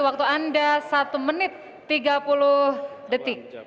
waktu anda satu menit tiga puluh detik